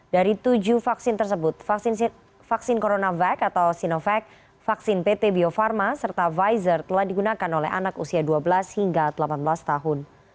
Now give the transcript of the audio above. dari tujuh vaksin tersebut vaksin coronavac atau sinovac vaksin pt bio farma serta pfizer telah digunakan oleh anak usia dua belas hingga delapan belas tahun